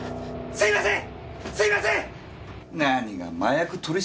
すいません！